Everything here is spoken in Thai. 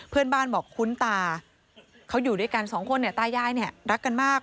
เพื่อนบ้านบอกคุณตาเขาอยู่ด้วยกัน๒คนตายายรักกันมาก